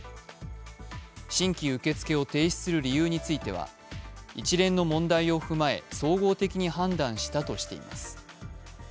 新規受け付けを停止する理由については、一連の問題を踏まえ、総合的に判断したとしています。